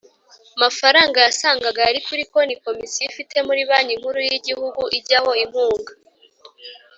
mafaranga yasangaga ayari kuri konti komisiyo ifite muri banki nkuru y Igihugu ijyaho inkunga